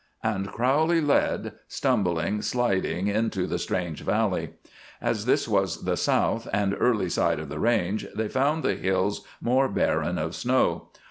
and Crowley led, stumbling, sliding, into the strange valley. As this was the south and early side of the range, they found the hills more barren of snow.